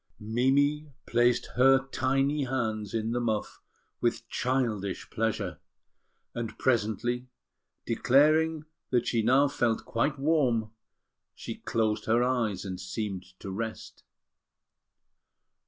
Mimi placed her tiny hands in the muff with childish pleasure; and presently, declaring that she now felt quite warm, she closed her eyes and seemed to rest.